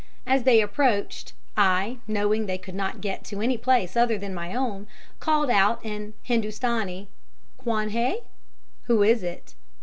As they approached, I knowing they could not get to any place other than my own, called out in Hindustani, 'Quon hai?' (Who is it?).